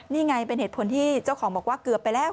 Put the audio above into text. นี่ไงเป็นเหตุผลที่เจ้าของบอกว่าเกือบไปแล้ว